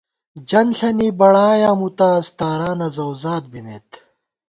جنݪَنی بڑایاں مُوتاز ، تارانہ زؤزات بِمېت